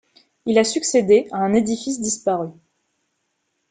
Il a succédé à un édifice disparu.